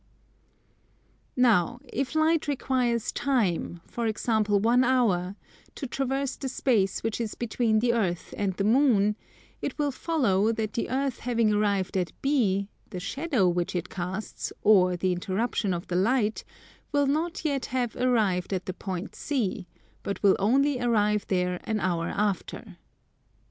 Now if light requires time, for example one hour, to traverse the space which is between the Earth and the Moon, it will follow that the Earth having arrived at B, the shadow which it casts, or the interruption of the light, will not yet have arrived at the point C, but will only arrive there an hour after.